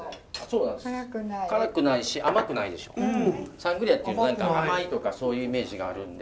サングリアっていうのは何か甘いとかそういうイメージがあるんで。